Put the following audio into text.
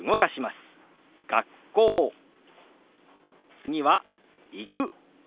次は「行く」。